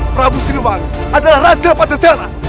prabu sriwani adalah raja pajajara